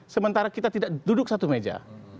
sementara kita tidak duduk satu meja